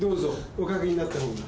お掛けになったほうが。